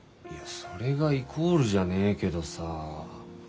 いやそれがイコールじゃねえけどさ。